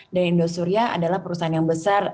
dan indosuria adalah perusahaan yang besar